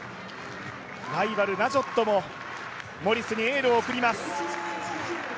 ライバル、ナジョットもモリスにエールを送ります。